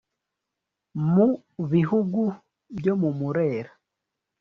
mu bihugu byo mu murera